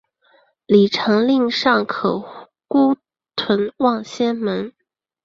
李晟令尚可孤屯望仙门。